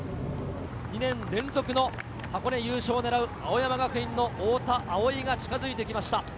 ２年連続の箱根優勝を狙う青山学院の太田蒼生が近づいてきました。